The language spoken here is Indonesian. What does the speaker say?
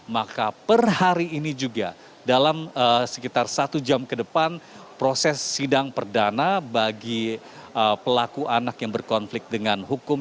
maka per hari ini juga dalam sekitar satu jam ke depan proses sidang perdana bagi pelaku anak yang berkonflik dengan hukum